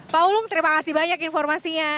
pak ulung terima kasih banyak informasinya